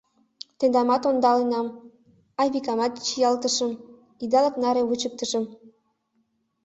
— Тендамат ондаленам, Айвикамат чиялтышым, идалык наре вучыктышым.